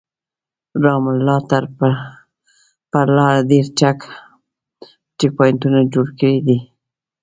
رام الله ته پر لاره ډېر چک پواینټونه جوړ کړي دي.